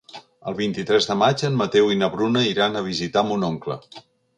El vint-i-tres de maig en Mateu i na Bruna iran a visitar mon oncle.